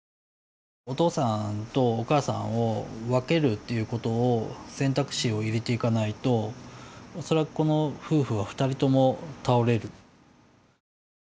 お父さんとお母さんを分けるっていうことを選択肢を入れていかないと恐らくこの夫婦は２人とも倒れる。